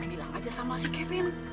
bilang aja sama si kevin